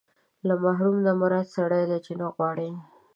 له محروم نه مراد سړی دی چې نه غواړي.